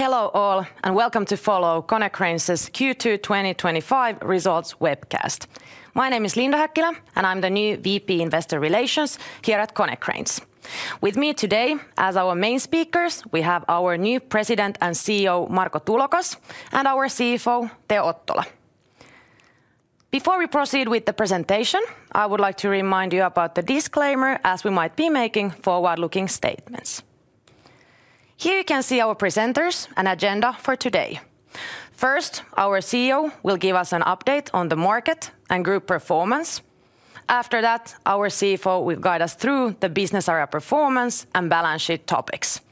Hello, all, and welcome to follow Konecranes' Q2 twenty twenty five results webcast. My name is Linda Hakkila, and I'm the new VP, Investor Relations here at Konecranes. With me today as our main speakers, we have our new President and CEO, Marco Tullakas and our CFO, Teo Ottola. Before we proceed with the presentation, I would like to remind you about the disclaimer as we might be making forward looking statements. Here, you can see our presenters and agenda for today. First, our CEO will give us an update on the market and group performance. After that, our CFO will guide us through the business area performance and balance sheet topics.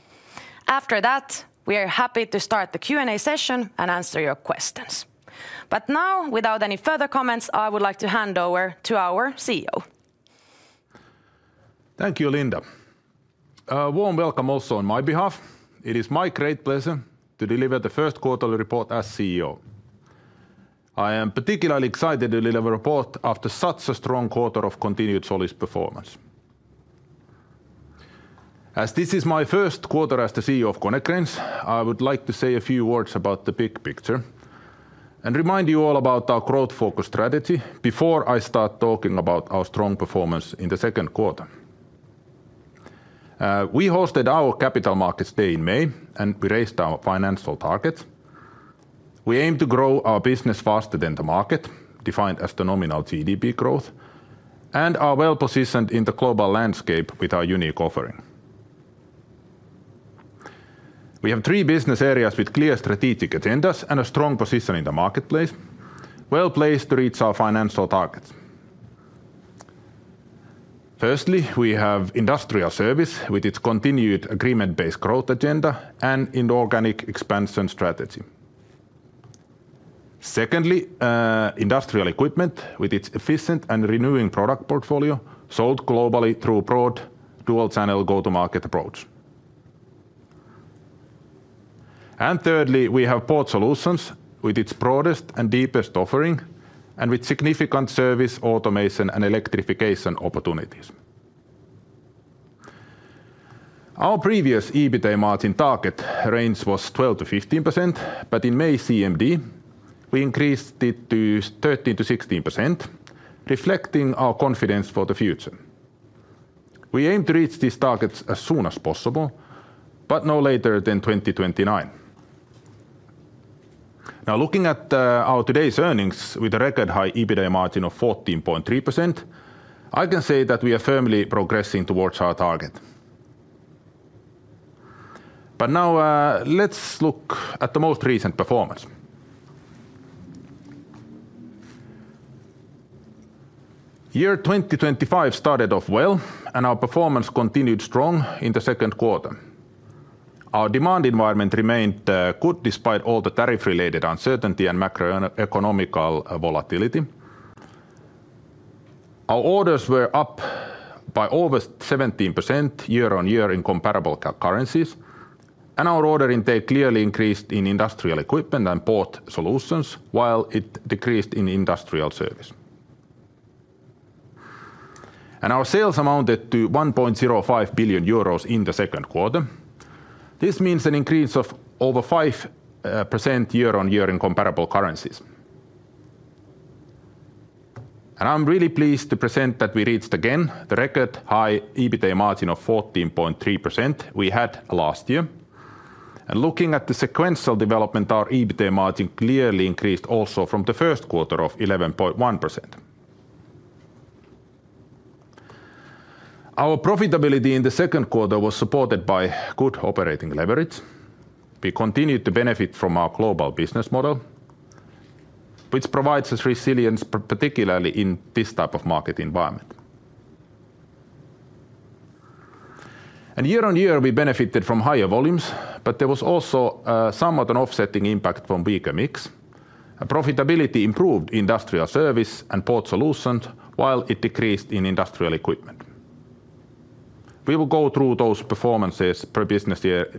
After that, we are happy to start the Q and A session and answer your questions. But now without any further comments, I would like to hand over to our CEO. Thank you, Linda. A warm welcome also on my behalf. It is my great pleasure to deliver the first quarterly report as CEO. I am particularly excited to deliver a report after such a strong quarter of continued solid performance. As this is my first quarter as the CEO of Konecranes, I would like to say a few words about the big picture and remind you all about our growth focused strategy before I start talking about our strong performance in the second quarter. We hosted our Capital Markets Day in May and we raised our financial targets. We aim to grow our business faster than the market, defined as the nominal GDP growth, and are well positioned in the global landscape with our unique offering. We have three business areas with clear strategic agendas and a strong position in the marketplace, well placed to reach our financial targets. Firstly, we have Industrial Service with its continued agreement based growth agenda and inorganic expansion strategy. Secondly, Industrial Equipment with its efficient and renewing product portfolio sold globally through broad dual channel go to market approach. And thirdly, we have Port Solutions with its broadest and deepest offering and with significant service automation and electrification opportunities. Our previous EBITA margin target range was 12% to 15%, but in May CMD, we increased it to 13% to 16%, reflecting our confidence for the future. We aim to reach these targets as soon as possible, but no later than 2029. Now looking at our today's earnings with a record high EBITDA margin of 14.3%, I can say that we are firmly progressing towards our target. But now let's look at the most recent performance. Year 2025 started off well, and our performance continued strong in the second quarter. Our demand environment remained good despite all the tariff related uncertainty and macroeconomic volatility. Our orders were up by almost 17% year on year in comparable currencies. And our order intake clearly increased in Industrial Equipment and Port Solutions, while it decreased in Industrial Service. And our sales amounted to €1,050,000,000 in the second quarter. This means an increase of over 5% year on year in comparable currencies. And I'm really pleased to present that we reached again the record high EBITA margin of 14.3% we had last year. And looking at the sequential development, our EBITA margin clearly increased also from the first quarter of 11.1%. Our profitability in the second quarter was supported by good operating leverage. We continued to benefit from our global business model, which provides us resilience particularly in this type of market environment. And year on year, we benefited from higher volumes, but there was also somewhat an offsetting impact from weaker mix. Profitability improved Industrial Service and Port Solutions, while it decreased in Industrial Equipment. We will go through those performances per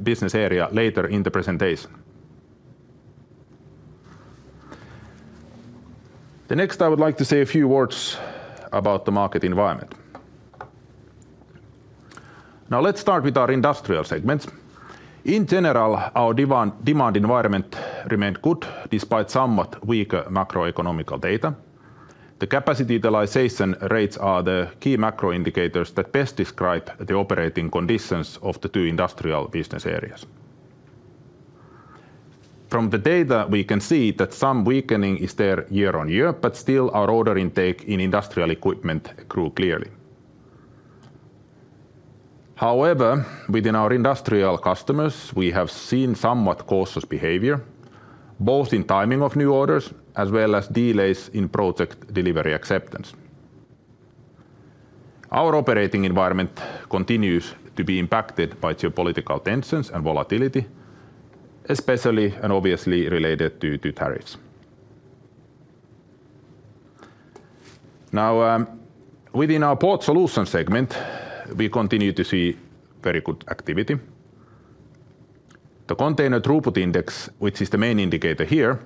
business area later in the presentation. The next, I would like to say a few words about the market environment. Now let's start with our Industrial segments. In general, our demand environment remained good despite somewhat weaker macroeconomic data. The capacity utilization rates are the key macro indicators that best describe the operating conditions of the two industrial business areas. From the data, we can see that some weakening is there year on year, but still our order intake in Industrial Equipment grew clearly. However, within our industrial customers, we have seen somewhat cautious behavior, both in timing of new orders as well as delays in project delivery acceptance. Our operating environment continues to be impacted by geopolitical tensions and volatility, especially and obviously related to tariffs. Now within our Port Solutions segment, we continue to see very good activity. The container throughput index, which is the main indicator here,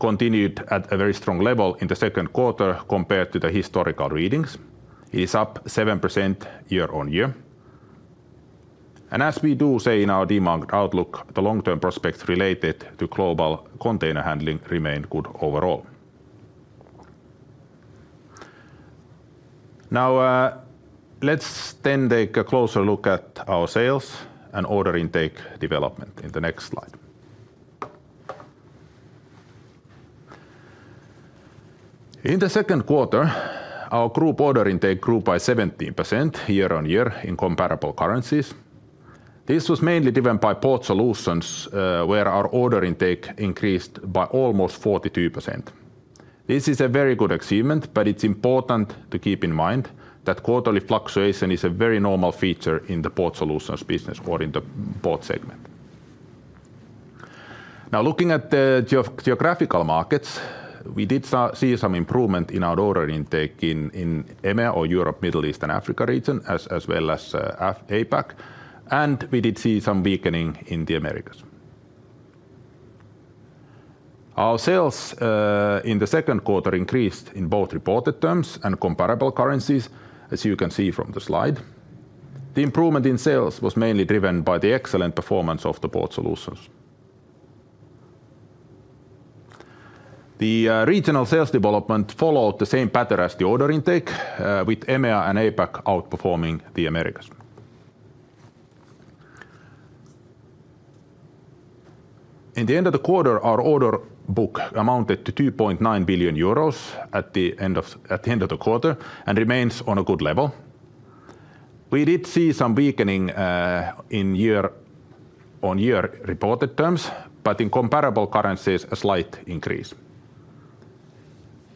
continued at a very strong level in the second quarter compared to the historical readings. It is up 7% year on year. And as we do say in our demand outlook, the long term prospects related to global container handling remain good overall. Now let's then take a closer look at our sales and order intake development in the next slide. In the second quarter, our group order intake grew by 17% year on year in comparable currencies. This was mainly driven by Port Solutions where our order intake increased by almost 42%. This is a very good achievement, but it's important to keep in mind that quarterly fluctuation is a very normal feature in the Port Solutions business or in the Port segment. Now looking at the geographical markets, we did see some improvement in our order intake in EMEA or Europe, Middle East And Africa region as well as APAC, and we did see some weakening in The Americas. Our sales in the second quarter increased in both reported terms and comparable currencies, as you can see from the slide. The improvement in sales was mainly driven by the excellent performance of the Port Solutions. The regional sales development followed the same pattern as the order intake with EMEA and APAC outperforming The Americas. In the end of the quarter, our order book amounted to €2,900,000,000 at the end of the quarter and remains on a good level. We did see some weakening in year on year reported terms, but in comparable currencies, a slight increase.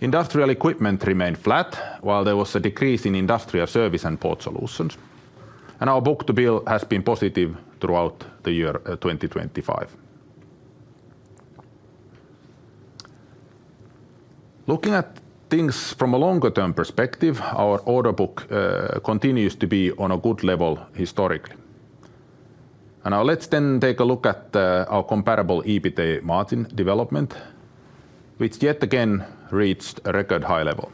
Industrial Equipment remained flat, while there was a decrease in Industrial Service and Port Solutions. And our book to bill has been positive throughout the year 2025. Looking at things from a longer term perspective, our order book continues to be on a good level historically. And now let's then take a look at our comparable EBITA margin development, which yet again reached a record high level.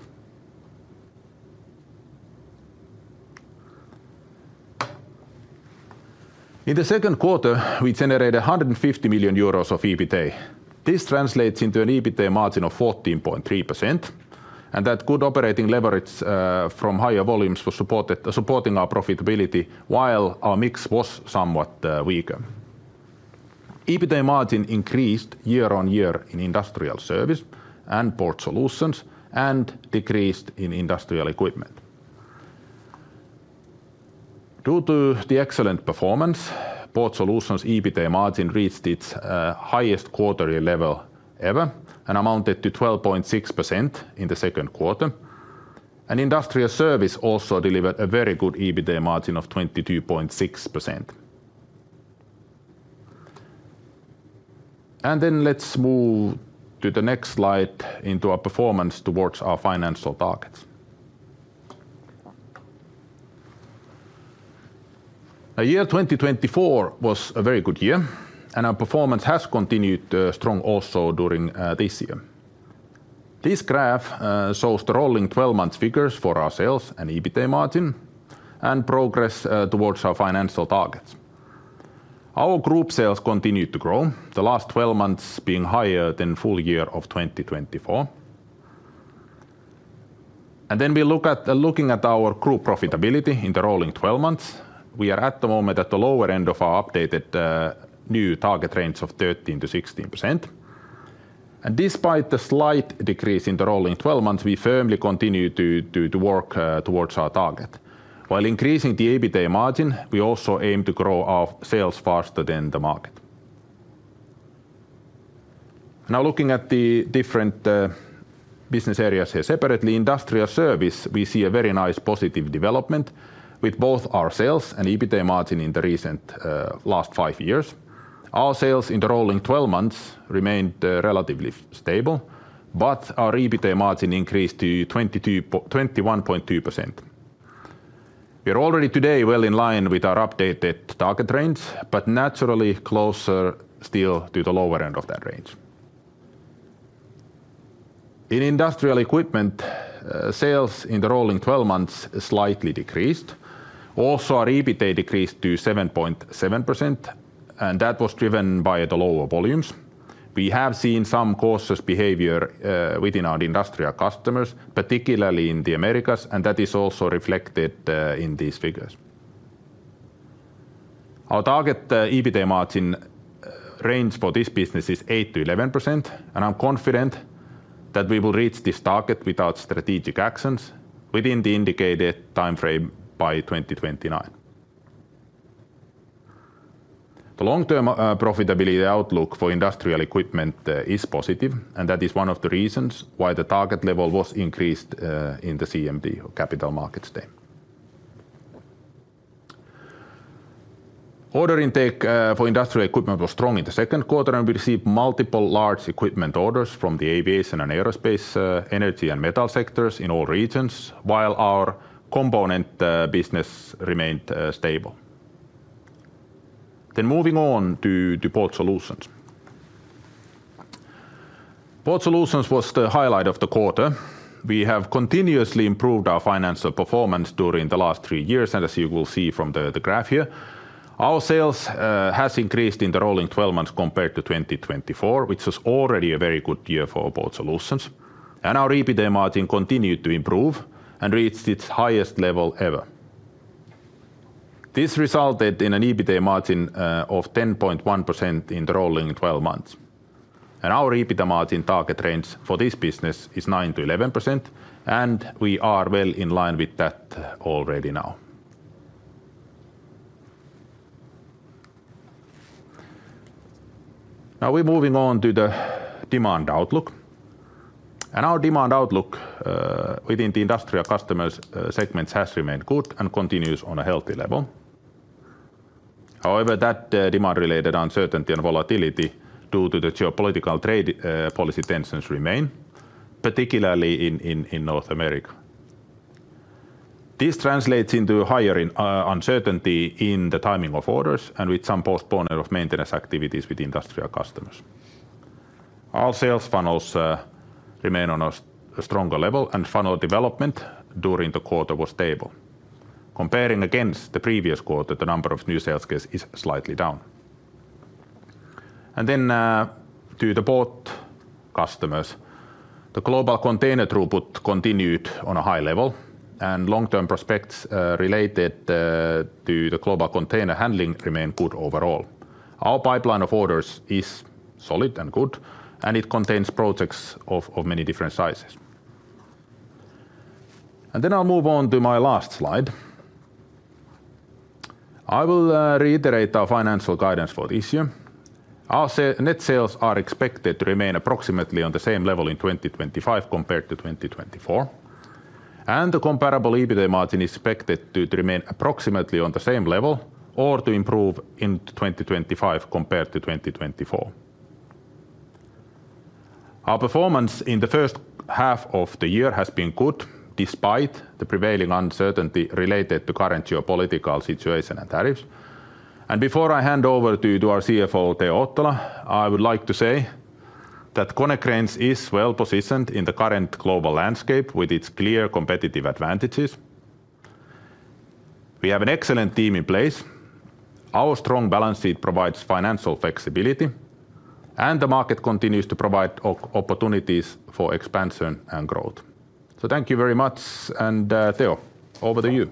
In the second quarter, we generated €150,000,000 of EBITA. This translates into an EBITA margin of 14.3 and that good operating leverage from higher volumes was supporting our profitability, while our mix was somewhat weaker. EBITA margin increased year on year in Industrial Service and Port Solutions and decreased in Industrial Equipment. Due to the excellent performance, Port Solutions EBITDA margin reached its highest quarterly level ever and amounted to 12.6% in the second quarter. And Industrial Service also delivered a very good EBITDA margin of 22.6%. And then let's move to the next slide into our performance towards our financial targets. Year 2024 was a very good year, and our performance has continued strong also during this year. This graph shows the rolling twelve month figures for our sales and EBITA margin and progress towards our financial targets. Our group sales continued to grow, the last twelve months being higher than full year of 2024. And then we look at looking at our group profitability in the rolling twelve months. We are at the moment at the lower end of our updated new target range of 13 to 16%. And despite the slight decrease in the rolling twelve months, we firmly continue to work towards our target. While increasing the EBITA margin, we also aim to grow our sales faster than the market. Now looking at the different business areas here separately. Industrial Service, we see a very nice positive development with both our sales and EBITA margin in the recent last five years. Our sales in the rolling twelve months remained relatively stable, but our EBITA margin increased to 21.2%. We are already today well in line with our updated target range, but naturally closer still to the lower end of that range. In Industrial Equipment, sales in the rolling twelve months slightly decreased. Also, our EBITA decreased to 7.7% and that was driven by the lower volumes. We have seen some cautious behavior within our industrial customers, particularly in The Americas, and that is also reflected in these figures. Our target EBITA margin range for this business is eight to 11%, and I'm confident that we will reach this target without strategic actions within the indicated time frame by 2029. The long term profitability outlook for Industrial Equipment is positive, and that is one of the reasons why the target level was increased in the CMD or Capital Markets Day. Order intake for Industrial Equipment was strong in the second quarter and we received multiple large equipment orders from the aviation and aerospace, energy and metal sectors in all regions, while our component business remained stable. Then moving on to Port Solutions. Port Solutions was the highlight of the quarter. We have continuously improved our financial performance during the last three years. And as you will see from the graph here, our sales has increased in the rolling twelve months compared to 2024, which was already a very good year for our Port Solutions. And our EBITA margin continued to improve and reached its highest level ever. This resulted in an EBITA margin of 10.1% in the rolling twelve months. And our EBITA margin target range for this business is 9% to 11%, and we are well in line with that already now. Now we're moving on to the demand outlook. And our demand outlook within the Industrial Customers segment has remained good and continues on a healthy level. However, that demand related uncertainty and volatility due to the geopolitical trade policy tensions remain, particularly in North America. This translates into higher uncertainty in the timing of orders and with some postponement of maintenance activities with industrial customers. Our sales funnels remain on a stronger level and funnel development during the quarter was stable. Comparing against the previous quarter, the number of new sales case is slightly down. And then to the port customers. The global container throughput continued on a high level and long term prospects related to the global container handling remained good overall. Our pipeline of orders is solid and good, and it contains projects of many different sizes. And then I'll move on to my last slide. I will reiterate our financial guidance for this year. Our net sales are expected to remain approximately on the same level in 2025 compared to 2024. And the comparable EBITA margin is expected to remain approximately on the same level or to improve in 2025 compared to 2024. Our performance in the first half of the year has been good despite the prevailing uncertainty related to current geopolitical situation and tariffs. And before I hand over to our CFO, Teo Ottola, I would like to say that Konecranes is well positioned in the current global landscape with its clear competitive advantages. We have an excellent team in place. Our strong balance sheet provides financial flexibility, and the market continues to provide opportunities for expansion and growth. So thank you very much. And Theo, over to you.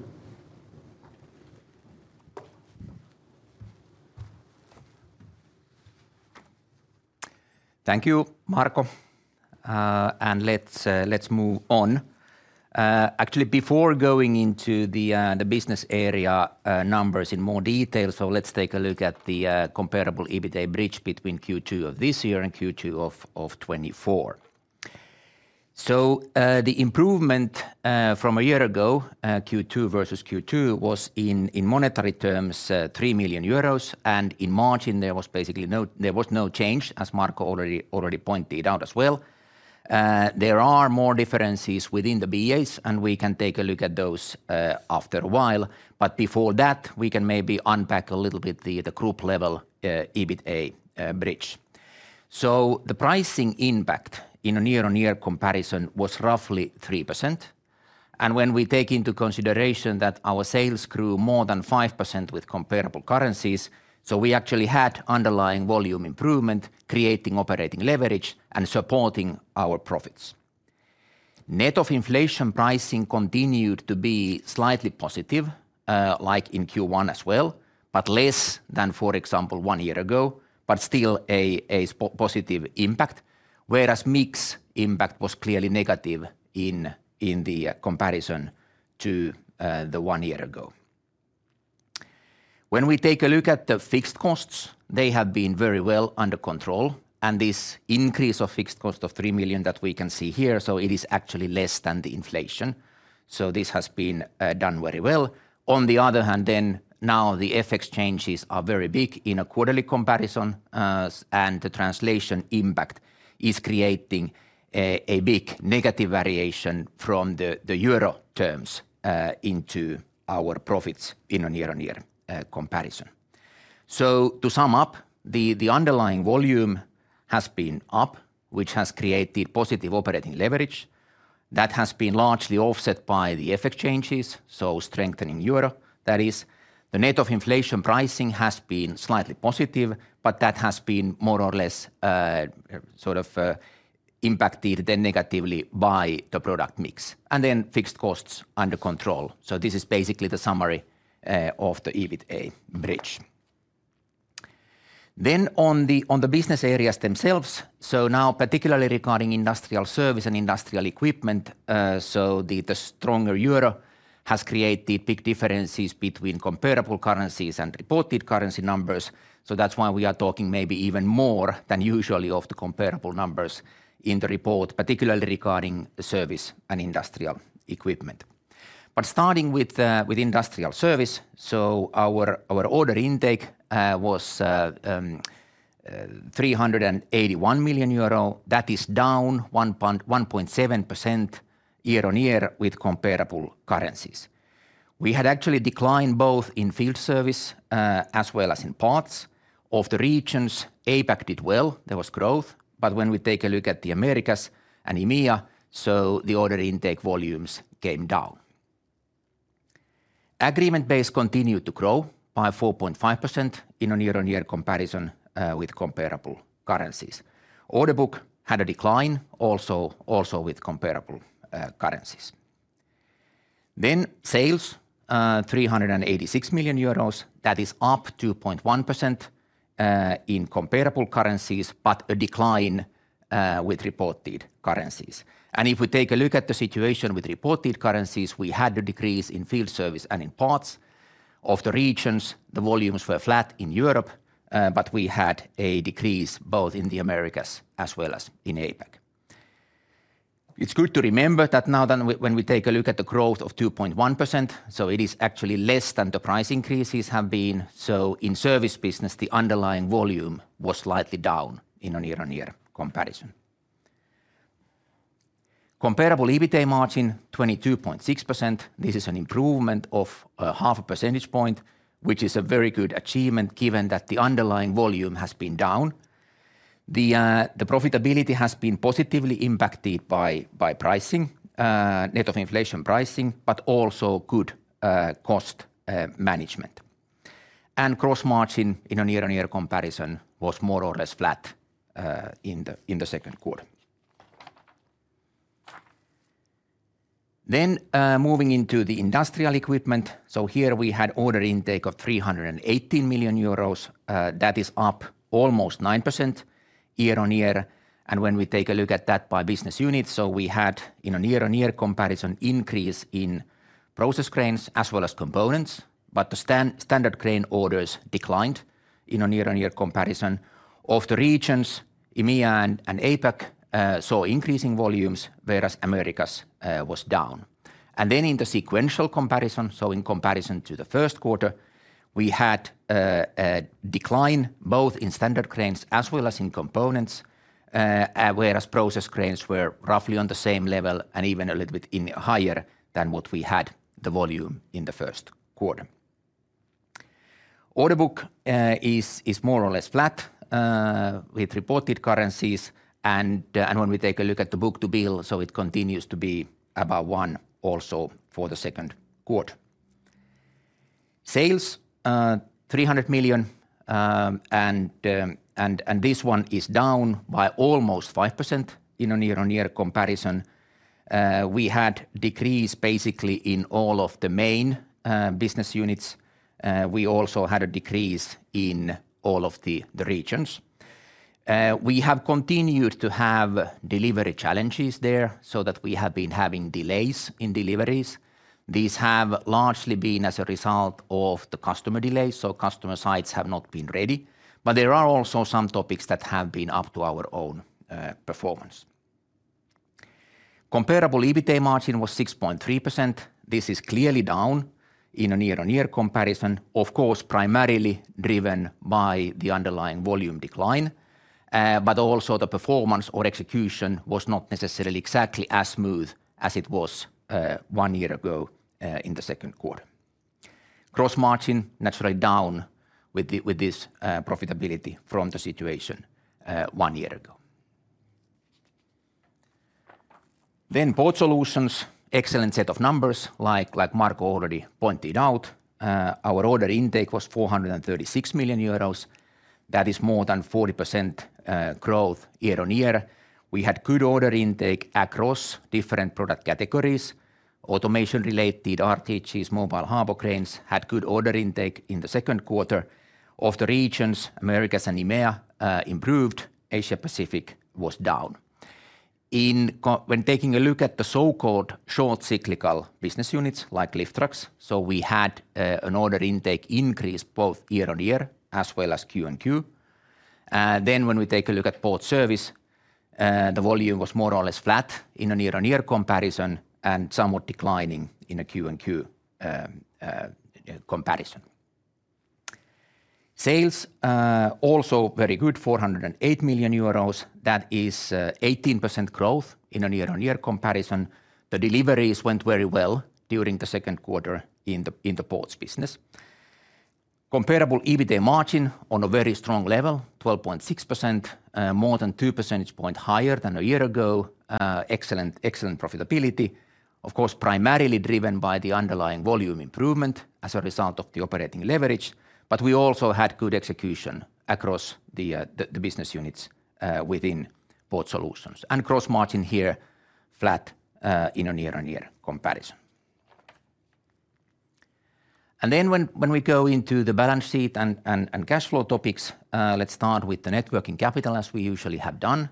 Thank you, Marco. And let's move on. Actually, going into the business area numbers in more detail, so let's take a look at the comparable EBITA bridge between Q2 of this year and Q2 of 24,000,000 So the improvement from a year ago Q2 versus Q2 was in monetary terms €3,000,000 And in margin, basically no there was no change as Marco already pointed out as well. There are more differences within the BAs and we can take a look at those after a while. But before that, we can maybe unpack a little bit the group level EBITA bridge. So the pricing impact in a year on year comparison was roughly 3%. And when we take into consideration that our sales grew more than 5% with comparable currencies, so we actually had underlying volume improvement creating operating leverage and supporting our profits. Net of inflation pricing continued to be slightly positive like in Q1 as well, but less than for example one year ago, but still a positive impact, whereas mix impact was clearly negative in the comparison to the one year ago. When we take a look at the fixed costs, they have been very well under control. And this increase of fixed cost of €3,000,000 that we can see here, so it is actually less than the inflation. So this has been done very well. On the other hand then now the FX changes are very big in a quarterly comparison and the translation impact is creating a big negative variation from the euro terms into our profits in a year on year comparison. So to sum up, the underlying volume has been up, which has created positive operating leverage. That has been largely offset by the FX changes, so strengthening euro. That is the net of inflation pricing has been slightly positive, but that has been more or less sort of impacted then negatively by the product mix and then fixed costs under control. So this is basically the summary of the EBITA bridge. Then on the business areas themselves, so now particularly regarding Industrial Service and Industrial Equipment, so the stronger euro has created big differences between comparable currencies and reported currency numbers. So that's why we are talking maybe even more than usually of the comparable numbers in the report, particularly regarding the Service and Industrial Equipment. But starting with Industrial Service, so our order intake was €381,000,000 That is down 1.7% year on year with comparable currencies. We had actually declined both in field service as well as in parts. Of the regions, APAC did well. There was growth. But when we take a look at The Americas and EMEA, so the order intake volumes came down. Agreement base continued to grow by 4.5% in a year on year comparison with comparable currencies. Order book had a decline also with comparable currencies. Then sales, $386,000,000, that is up 2.1% in comparable currencies, but a decline with reported currencies. And if we take a look at the situation with reported currencies, we had a decrease in field service and in parts. Of the regions, the volumes were flat in Europe, but we had a decrease both in The Americas as well as in APAC. It's good to remember that now then when we take a look at the growth of 2.1%, so it is actually less than the price increases have been, so in Service business, the underlying volume was slightly down in a year on year comparison. Comparable EBITA margin 22.6%, this is an improvement of 0.5 percentage point, which is a very good achievement given that the underlying volume has been down. The profitability has been positively impacted by pricing net of inflation pricing, but also good cost management. And gross margin in a year on year comparison was more or less flat in the second quarter. Then moving into the Industrial Equipment, so here we had order intake of €318,000,000 that is up almost 9% year on year. And when we take a look at that by business units, so we had year on year comparison increase in process cranes as well as components, but the standard crane orders declined in a year on year comparison of the regions EMEA and APAC saw increasing volumes, whereas Americas was down. And then in the sequential comparison, so in comparison to the first quarter, we had a decline both in standard cranes as well as in components, whereas process cranes were roughly on the same level and even a little bit higher than what we had the volume in the first quarter. Order book is more or less flat with reported currencies. And when we take a look at the book to bill, so it continues to be above one also for the second quarter. Sales €300,000,000 and this one is down by almost 5% in a year on year comparison. We had decrease basically in all of the main business units. We also had a decrease in all of the regions. We have continued to have delivery challenges there, so that we have been having delays in deliveries. These have largely been as a result of the customer delays, so customer sites have not been ready. But there are also some topics that have been up to our own performance. Comparable EBITA margin was 6.3%. This is clearly down in a year on year comparison, of course, driven by the underlying volume decline, but also the performance or execution was not necessarily exactly as smooth as it was one year ago in the second quarter. Gross margin, naturally down with this profitability from the situation one year ago. Then Port Solutions, excellent set of numbers, Marco already pointed out. Our order intake was €436,000,000 that is more than 40% growth year on year. We had good order intake across different product categories. Automation related RTGs, mobile harbor cranes had good order intake in the second quarter. Of the regions, Americas and EMEA improved, Asia Pacific was down. In when taking a look at the so called short cyclical business units like lift trucks, so we had an order intake increase both year on year as well as Q on Q. Then when we take a look at Port Service, the volume was more or less flat in an year on year comparison and somewhat declining in a Q on Q comparison. Sales also very good $4.00 €8,000,000 that is 18% growth in a year on year comparison. The deliveries went very well during the second quarter in the Ports business. Comparable EBITA margin on a very strong level, 12.6%, more than two percentage points higher than a year ago, excellent profitability, of course, primarily driven by the underlying volume improvement as a result of the operating leverage, but we also had good execution across the business units within Port Solutions. And gross margin here flat in a year on year comparison. And then when we go into the balance sheet and cash flow topics, let's start with the net working capital as we usually have done.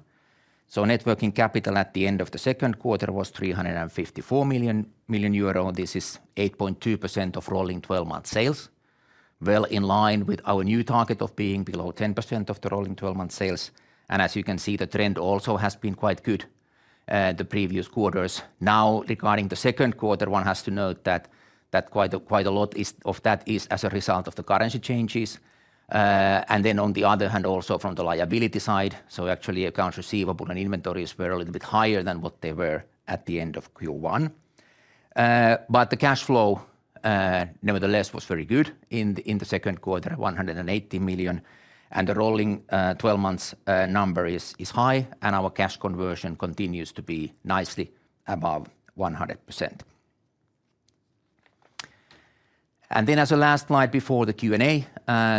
So net working capital at the end of the second quarter was €354,000,000 This is 8.2% of rolling twelve month sales, well in line with our new target of being below 10% of the rolling twelve month sales. And as you can see, the trend also has been quite good the previous quarters. Now regarding the second quarter, one has to note that quite a lot of that is as a result of the currency changes. And then on the other hand also from the liability side, so actually accounts receivable and inventories were a little bit higher than what they were at the end of Q1. But the cash flow nevertheless was very good in the second quarter at €180,000,000 And the rolling twelve months number is high and our cash conversion continues to be nicely above 100%. And then as a last slide before the Q and A,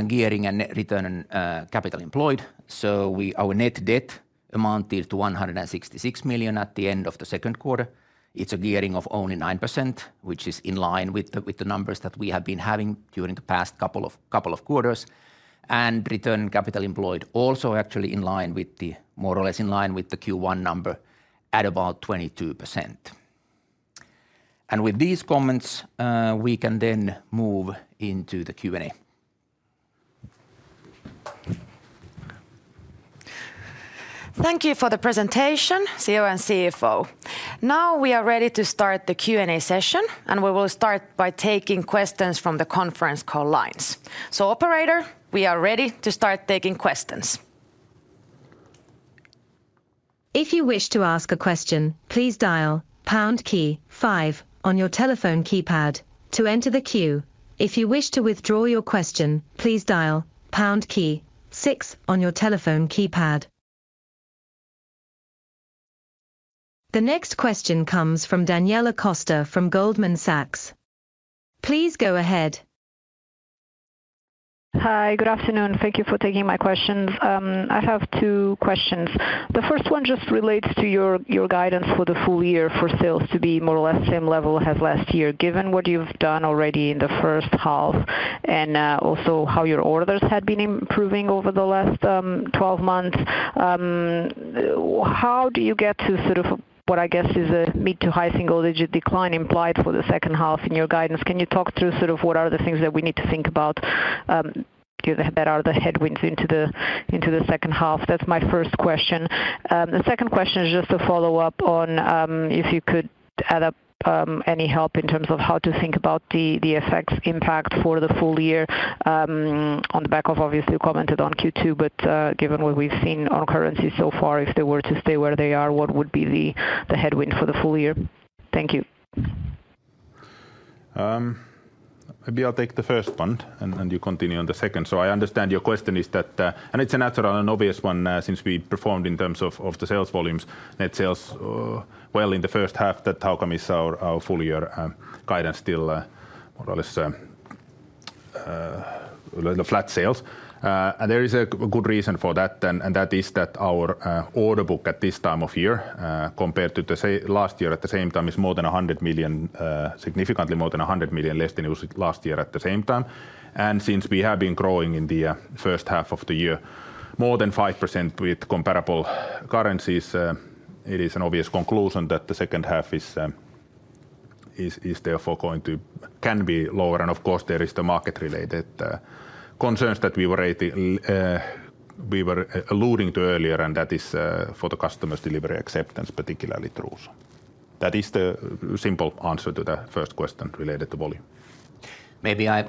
gearing and return on capital employed. So we our net debt amounted to €166,000,000 at the end of the second quarter. It's a gearing of only 9%, which is in line with the numbers that we have been having during the past couple of quarters. And return on capital employed also actually in line with the more or less in line with the Q1 number at about 22%. And with these comments, we can then move into the Q and A. Thank you for the presentation, CEO and CFO. Now we are ready to start the Q and A session, and we will start by taking questions from the conference call lines. So operator, we are ready to start taking questions. The next question comes from Daniela Costa from Goldman Sachs. Please go ahead. Hi, good afternoon. Thank you for taking my questions. I have two questions. The first one just relates to your guidance for the full year for sales to be more or less same level as last year. Given what you've done already in the first half and also how your orders had been improving over the last twelve months, how do you get to sort of what I guess is a mid to high single digit decline implied for the second half in your guidance? Can you talk through sort of what are the things that we need to think about that are the headwinds into the second half? That's my first question. The second question is just a follow-up on, if you could add up any help in terms of how to think about the FX impact for the full year. On the back of, obviously, you commented on Q2, but given what we've seen on currency so far, if they were to stay where they are, what would be the headwind for the full year? Thank you. Maybe I'll take the first one and you continue on the second. So I understand your question is that and it's a natural and obvious one since we performed in terms of the sales volumes, net sales well in the first half that how come is our full year guidance still more or less flat sales. And there is a good reason for that and that is that our order book at this time of year compared to, say, last year at the same time is more than €100,000,000 significantly more than €100,000,000 less than it was last year at the same time. And since we have been growing in the first half of the year more than 5% with comparable currencies, it is an obvious conclusion that the second half is therefore going And of course, there is the market related concerns that we were alluding to earlier and that is for the customers' delivery acceptance, particularly through. That is the simple answer to the first question related to volume.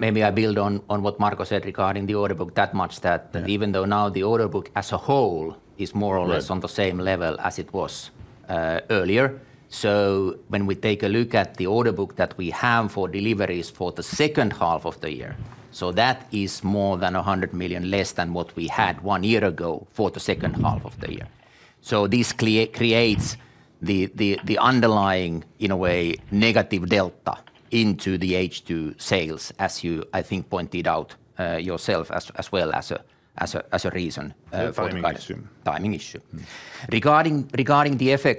Maybe I build on what Marco said regarding the order book that much that even though now the order book as a whole is more or less as on the same it was earlier. So when we take a look at the order book that we have for deliveries for the second half of the year, so that is more than €100,000,000 less than what we had one year ago for the second half of the year. So this creates the underlying in a way negative delta into the H2 sales as you I think pointed out yourself as well as a reason for Regarding timing the FX,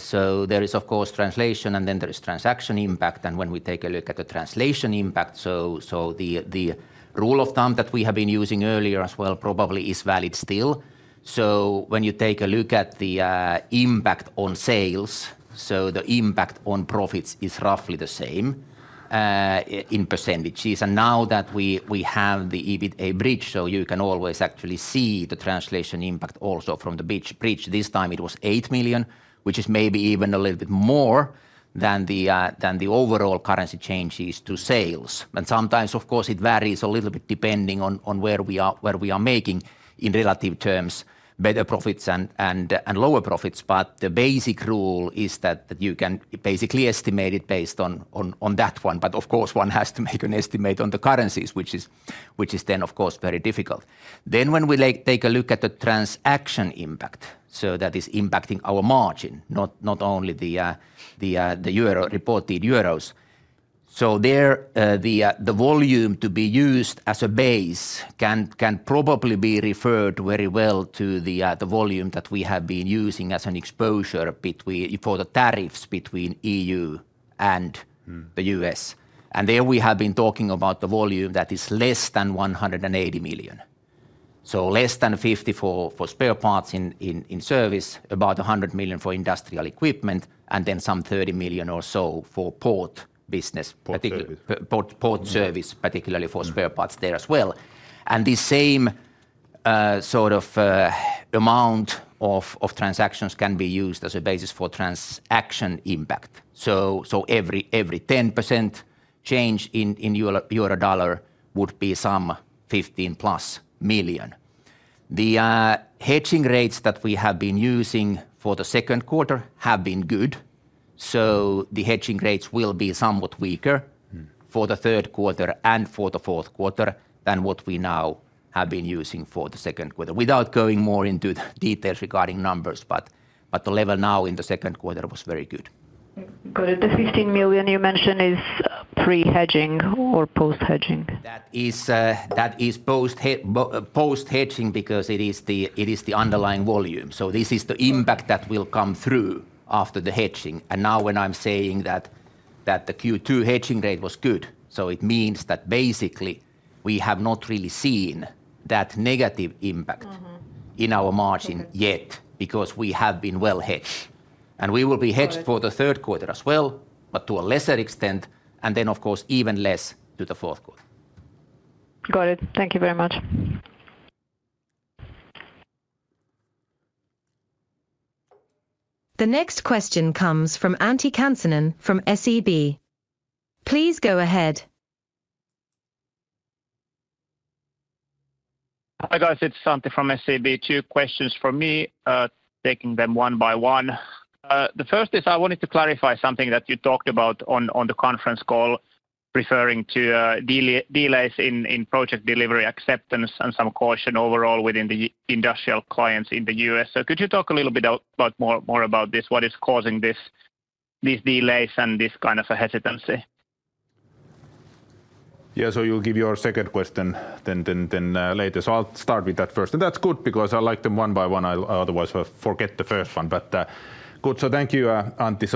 so there is of course translation and then there is transaction impact. And when we take a look at the translation impact, so the rule of thumb that we have been using earlier as well probably is valid still. So when you take a look at the impact on sales, so the impact on profits is roughly the same in percentages. And now that we have the EBITA bridge, so you can always actually see the translation impact also from the bridge. This time it was 8,000,000 which is maybe even a little bit more than the overall currency changes to sales. And sometimes, of course, it varies a little bit depending on where we are making in relative terms better profits and lower profits. But the basic rule is that you can basically estimate it based on that one. But of course, one has to make an estimate on the currencies, which is then of course very difficult. Then when we take a look at the transaction impact, so that is impacting our margin, only the euro reported euros. So there the volume to be used as a base can probably be referred very well to the volume that we have been using as an exposure between for the tariffs between EU and The U. S. And there we have been talking about the volume that is less than €180,000,000 So less than 50,000,000 for spare parts in service, about €100,000,000 for industrial equipment and then some €30,000,000 or so for port business port service, particularly for spare parts there as well. And the same sort of amount of transactions can be used as a basis for transaction impact. So every 10% change in euro dollar would be some 15 plus million. The hedging rates that we have been using for the second quarter have been good. So the hedging rates will be somewhat weaker for the third quarter and for the fourth quarter than what we now have been using for the second quarter, without going more into details regarding numbers, but the level now in the second quarter was very good. Got it. The €15,000,000 you mentioned is pre hedging or post hedging? That is post hedging because it is the underlying volume. So this is the impact that will come through after the hedging. And now when I'm saying that the Q2 hedging rate was good, so it means that basically we have not really seen that negative impact in our margin yet, because we have been well hedged. And we will be hedged for the third quarter as well, but to a lesser extent and then of course even less to the fourth quarter. Got it. Thank you very much. The next question comes from Antti Kansanen from SEB. Please go ahead. Hi guys, it's Santi from SEB. Two questions for me, taking them one by one. The first is I wanted to clarify something that you talked about on the conference call referring to delays in project delivery acceptance and some caution overall within the industrial clients in The U. S. So could you talk a little bit about more about this, what is causing these delays and this kind of a hesitancy? Yes. So you'll give your second question then later. So I'll start with that first. And that's good because I like them one by one. I'll otherwise forget the first one. But good. So thank you, Antti.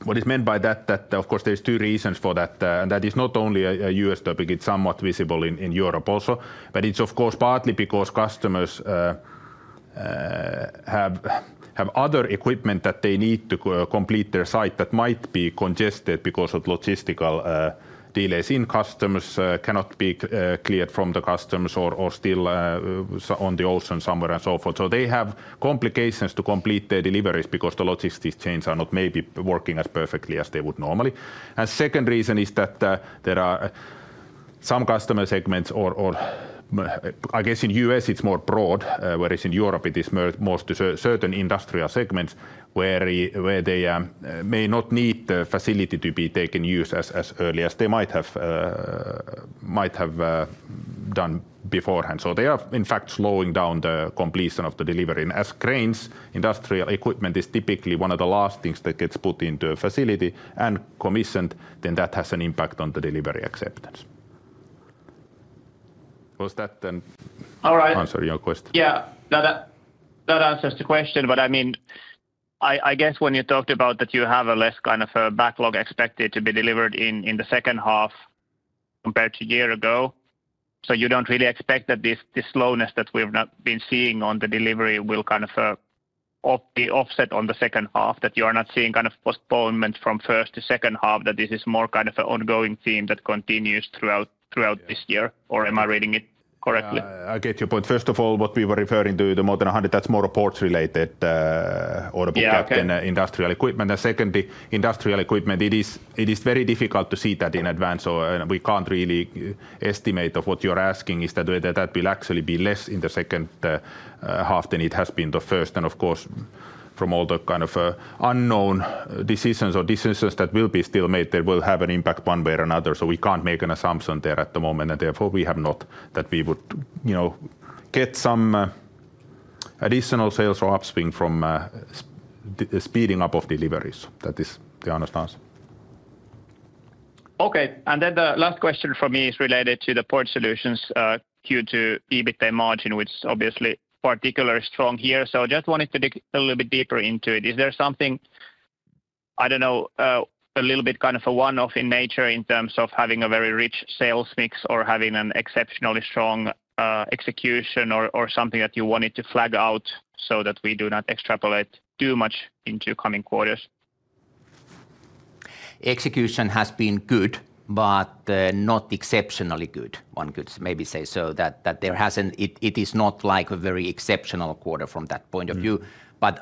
So what is meant by that that, of course, there's two reasons for that. And that is not only a U. S. Topic, it's somewhat visible in Europe also. But it's, of course, partly because customers have other equipment that they need to complete their site that might be congested because of logistical delays in customers cannot be cleared from the customers or still on the ocean somewhere and so forth. So they have complications to complete their deliveries because the logistics chains are not maybe working perfectly as they would normally. And second reason is that there are some customer segments or I guess in U. S, it's more broad, whereas in Europe, it is most certain industrial segments where they may not need the facility to be taken use as early as they might have done beforehand. So they are, in fact, slowing down the completion of the delivery. And as cranes, industrial equipment is typically one of the last things that gets put into a facility and commissioned, then that has an impact on the delivery acceptance. Does that then All right. Answer your Yes. That answers the question. But I mean, I guess, you talked about that you have a less kind of backlog expected to be delivered in the second half compared to a year ago, so you don't really expect that this slowness that we have not been seeing on the delivery will kind of be offset on the second half that you are not seeing kind of postponement from first to second half that this is more kind of an ongoing theme that continues throughout this year? Or am I reading it correctly? No. I get your point. First of all, what we were referring to the more than 100, that's more ports related order book, like, than Industrial Equipment. And secondly, Industrial Equipment, it is very difficult to see that in advance. We can't really estimate of what you're asking is that, that will actually be less in the second half than it has been the first. And of course, from all the kind of unknown decisions or decisions that will be still made, they will have an impact one way or another. So we can't make an assumption there at the moment. And therefore, we have not that we would get some additional sales or upswing from speeding up of deliveries. That is the honest answer. Okay. And then the last question for me is related to the Port Solutions Q2 EBITA margin, which is obviously particularly strong here. So I just wanted to dig a little bit deeper into it. Is there something, I don't know, a little bit kind of a one off in nature in terms of having a very rich sales mix or having an exceptionally strong execution or something that you wanted to flag out so that we do not extrapolate too much into coming quarters? Execution has been good, but not exceptionally good, one could maybe say so that there hasn't it is not like a very exceptional quarter from that point of view. But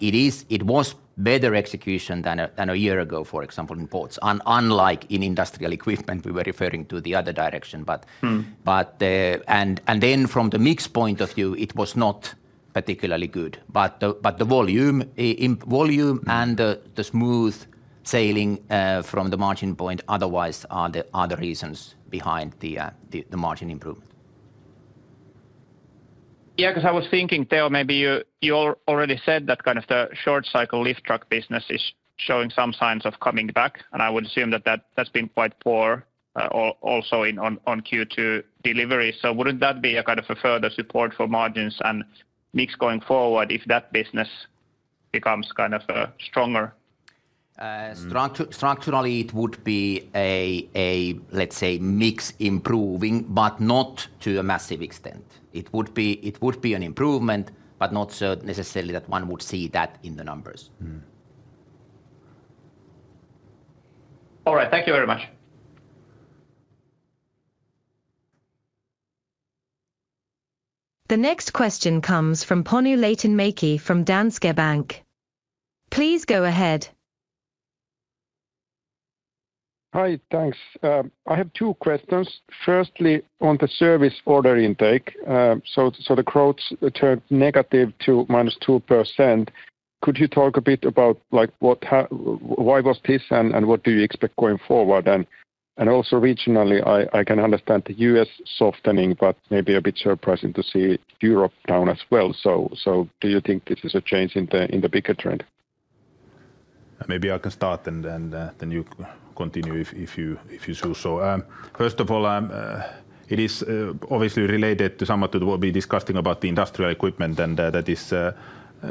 it is it was better execution than a year ago, for example, in ports, unlike in Industrial Equipment, we were referring to the other direction. And then from the mix point of view, it was not particularly good. But the volume and the smooth sailing from the margin point otherwise are reasons behind the margin improvement. Yes. Because I was thinking, Theo, maybe you already said that kind of the short cycle lift truck business is showing some signs of coming back. And I would assume that that's been quite poor also in on Q2 deliveries. So wouldn't that be a kind of a further support for margins and mix going forward if that business becomes kind of stronger? Structurally, it would be a, let's say, mix improving, but not to a massive extent. It would be an improvement, but not necessarily that one would see that in the numbers. All right. Thank you very much. The next question comes from Ponu Leyton Maky from Danske Bank. Please go ahead. Hi, thanks. I have two questions. Firstly, on the Service order intake. So the growth turned negative to minus 2%. Could you talk a bit about like what why was this? And what do you expect going forward? And also regionally, I can understand The U. S. Softening, but maybe a bit surprising to see Europe down as well. So do you think this is a change in the bigger trend? Maybe I can start and then you continue if you choose. So first of all, it is obviously related to some of what we've been discussing about the Industrial Equipment and that is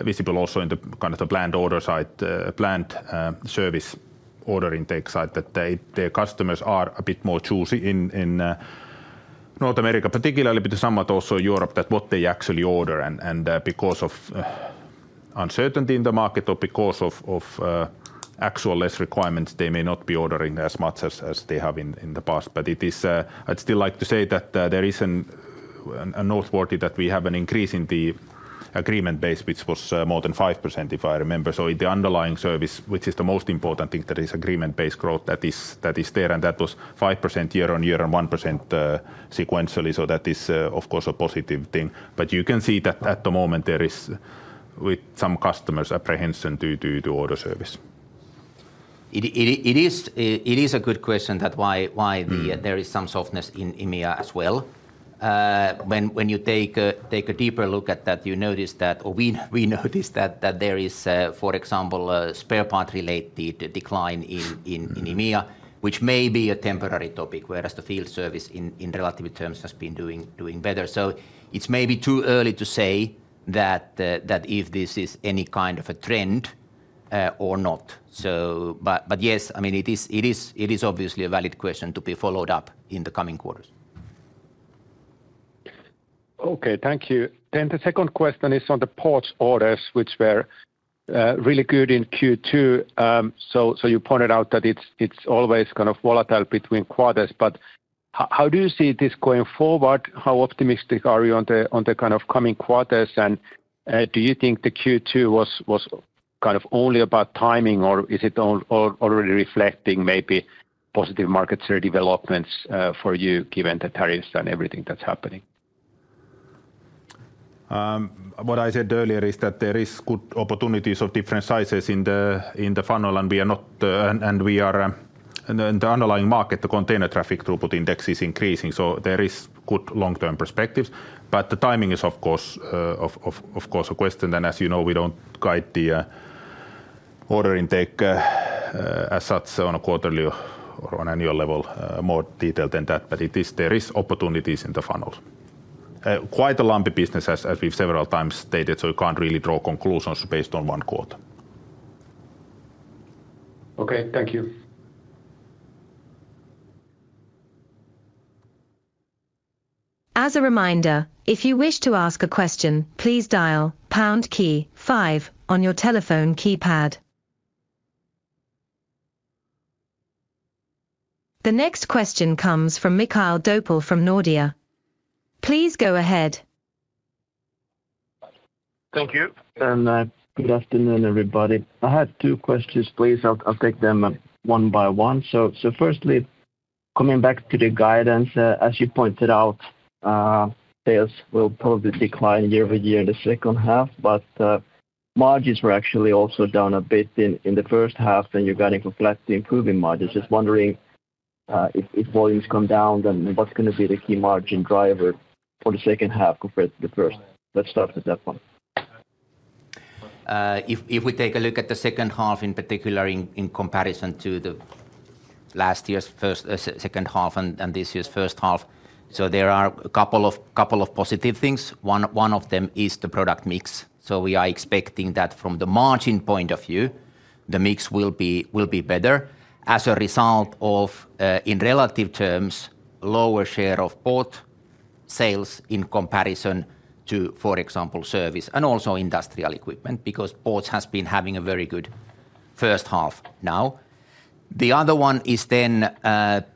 visible also in the kind of the planned order side planned service order intake side that their customers are a bit more choosy in North America, particularly a little somewhat also Europe that what they actually order. And because of uncertainty in the market or because of actual less requirements, they may not be ordering as much as they have in the past. But it is I'd still like to say that there is a noteworthy that we have an increase in the agreement base, which was more than 5%, if I remember. So the underlying service, which is the most important thing that is agreement based growth that is there and that was 5% year on year and 1% sequentially. So that is, of course, a positive thing. But you can see that at the moment, there is with some customers' apprehension due to order service. It is a good question that why there is some softness in EMEA as well. When you take a deeper look at that, you notice that or we notice that there is, for example, spare part related decline in EMEA, which may be a temporary topic, whereas the field service in relative terms has been doing better. So it's maybe too early to say that if this is any kind of a trend or not. So but yes, I mean, is obviously a valid question to be followed up in the coming quarters. Okay. Thank you. Then the second question is on the Ports orders, which were really good in Q2. So you pointed out that it's always kind of volatile between quarters. But how do you see this going forward? How optimistic are you on the kind of coming quarters? And do you think the Q2 was kind of only about timing? Or is it already reflecting maybe positive market share developments for you given the tariffs and everything that's happening? What I said earlier is that there is good opportunities of different sizes in the funnel, and we are not and we are in the underlying market, the container traffic throughput index is increasing. So there is good long term perspective. But the timing is, of course, a question. And as you know, we don't guide the order intake as such on a quarterly on annual level, more detailed than that. But it is there is opportunities in the funnel. Quite a lumpy business, as we've several times stated, so we can't really draw conclusions based on one quarter. Okay. Thank you. The next question comes from Mikhail Doppel from Nordea. Please go ahead. Thank you. I have two questions please. I'll take them one by one. So firstly, coming back to the guidance, as you pointed out, sales will probably decline year over year in the second half, but margins were actually also down a bit in the first half and you're guiding for flat to improving margins. Just wondering if volumes come down, then what's going to be the key margin driver for the second half compared to the first? Let's start with that one. If we take a look at the second half in particular in comparison to the last year's first second half and this year's first half, so there are a couple of positive things. One of them is the product mix. So we are expecting that from the margin point of view, the mix will be better as a result of in relative terms lower share of port sales in comparison to for example service and also Industrial Equipment, because ports has been having a very good first half now. The other one is then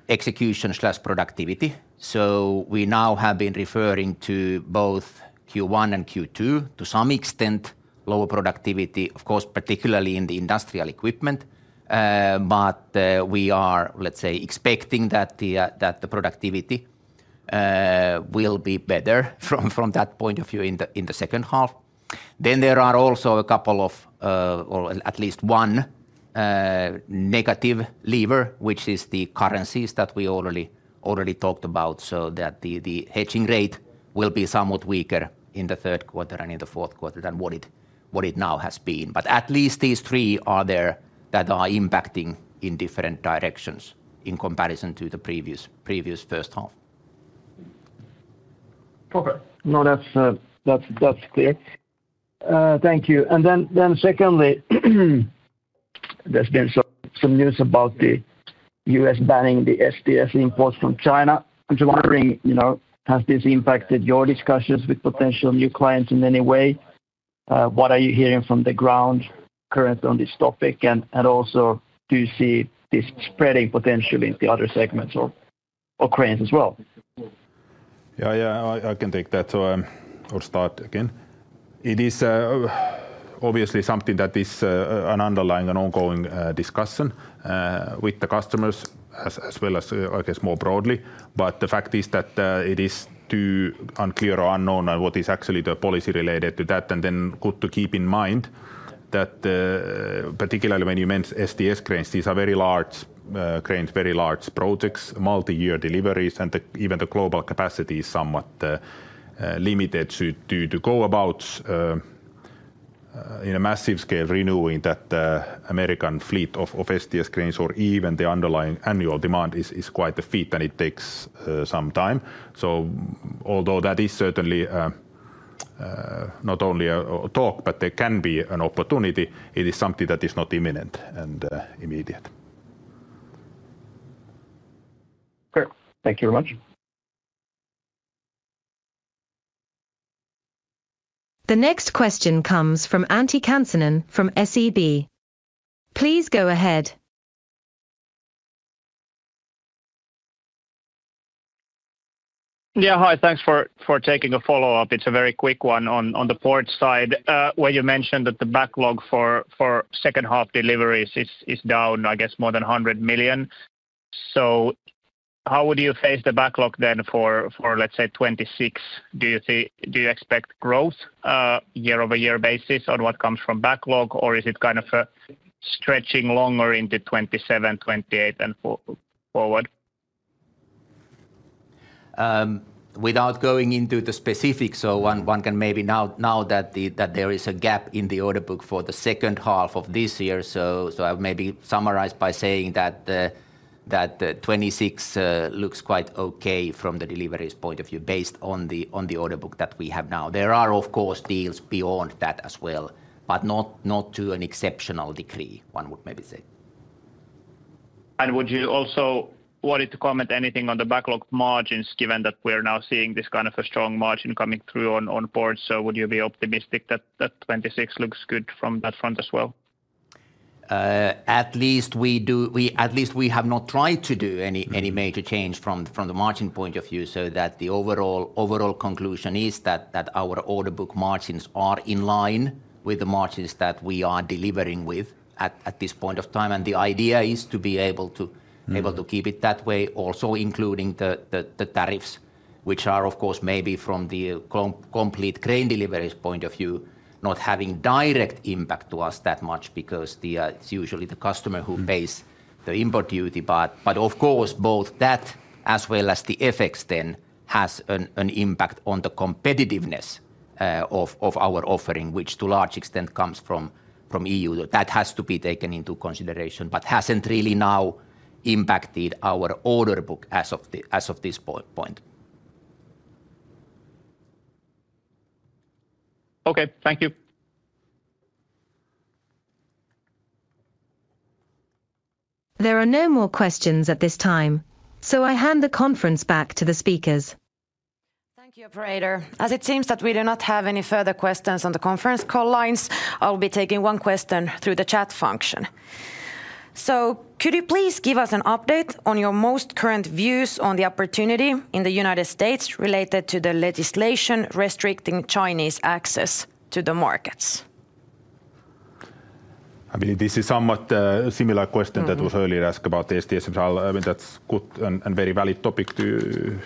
executionproductivity. So we now have been referring to both Q1 and Q2, to some extent lower productivity, of course, particularly in the Industrial Equipment. But we are, let's say, expecting that the productivity will be better from that point of view in the second half. Then there are also a couple of or at least one negative lever, which is the currencies that we already talked about, so that the hedging rate will be somewhat weaker in the third quarter and in the fourth quarter than what it now has been. But at least these three are there that are impacting in different directions in comparison to the previous first half. Okay. No, that's clear. Thank you. And then secondly, there's been some news about The U. S. Banning the SDS imports from China. I'm just wondering, has this impacted your discussions with potential new clients in any way? What are you hearing from the ground current on this topic? And also, do you see this spreading potentially in the other segments or or cranes as well? Yes, yes, I can take that or start again. It is obviously something that is an underlying and ongoing discussion with the customers as well as, I guess, more broadly. But the fact is that it is too unclear or unknown what is actually the policy related to that. And then good to keep in mind that particularly when you mentioned SDS cranes, these are very large cranes, very large projects, multiyear deliveries and even the global capacity is somewhat limited. To go about, in a massive scale, renewing that American fleet of STS cranes or even the underlying annual demand is quite a feat and it takes some time. So although that is certainly not only a talk, but there can be an opportunity, it is something that is not imminent and immediate. The next question comes from Antti Kansanan from SEB. Please go ahead. Yes. Hi, thanks for taking a follow-up. It's a very quick one on the port side, where you mentioned that the backlog for second half deliveries is down, I guess, than 100,000,000 So how would you face the backlog then for, let's say, 26,000,000 Do you see do you expect growth year over year basis on what comes from backlog? Or is it kind of stretching longer into 27,000,000 28,000,000 Without going into the specifics, so one can maybe now that there is a gap in the order book for the second half of this year. So I'll maybe summarize by saying that '26 looks quite okay from the deliveries point of view based on the order book that we have now. There are, of course, deals beyond that as well, but not to an exceptional degree, one would maybe say. And would you also wanted to comment anything on the backlog margins given that we are now seeing this kind of a strong margin coming through on board? So would you be optimistic that 26% looks good from that front as well? At least we do at least we have not tried to do any major change from the margin point of view, so that the overall conclusion is that our order book margins are in line with the margins that we are delivering with at this point of time. And the idea is to be able to keep it that way also including the tariffs, which are, of course, maybe from the complete crane deliveries point of view, not having direct impact to us that much, because it's usually the customer who pays the import duty. Of course, both that as well as the FX then has an impact on the competitiveness of our offering, which to a large extent comes from EU. That has to be taken into consideration, but hasn't really now impacted our order book as of this point. Okay. Thank you. There are no more questions at this time. So I hand the conference back to the speakers. Thank you, operator. As it seems that we do not have any further questions on the conference call lines, I'll be taking one question through the chat function. So could you please give us an update on your most current views on the opportunity in The United States related to the legislation restricting Chinese access to the markets? I believe this is somewhat similar question that was earlier asked about the STS Central. I mean that's good and very valid topic to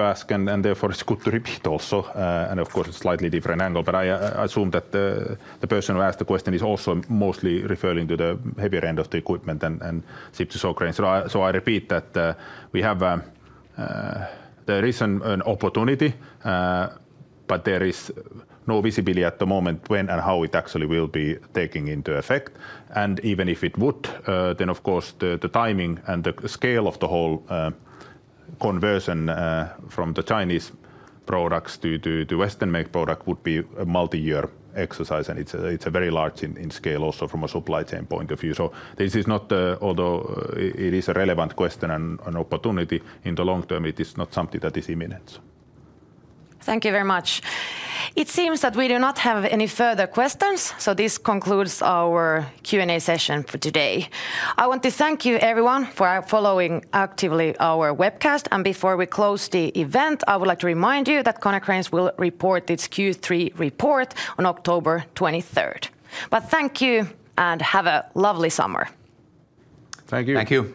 ask and therefore, good to repeat also and, of course, a slightly different angle. But I assume that the person who asked the question is also mostly referring to the heavier end of the equipment and ship to saw cranes. So I repeat that we have a there is an opportunity, but there is no visibility at the moment when and how it actually will be taking into effect. And even if it would, then of course, the timing and the scale of the whole conversion from the Chinese products to Western MEG product would be a multiyear exercise, and it's a very large in scale also from a supply chain point of view. So this is not although it is a relevant question and opportunity, in the long term, it is not something that is imminent. Thank you very much. It seems that we do not have any further questions. So this concludes our Q and A session for today. I want to thank you, everyone, for following actively our webcast. And before we close the event, I would like to remind you that Konarkrein will report its Q3 report on October 23. But thank you, and have a lovely summer. Thank you. Thank you.